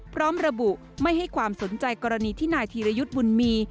พร้อมระบุไม่ให้ความสนใจกรณีที่นายธีรยุทธ์บุญมี